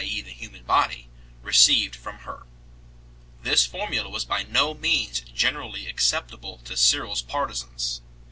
e. the human body] received from her 3 ." This formula was by no means generally acceptable to Cyril s partizans.